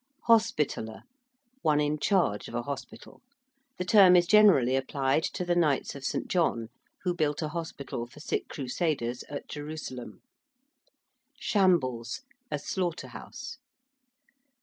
~Hospitaller~: one in charge of a hospital. The term is generally applied to the Knights of St. John, who built a hospital for sick Crusaders at Jerusalem. ~shambles~: a slaughter house.